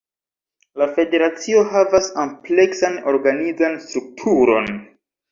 La federacio havas ampleksan organizan strukturon.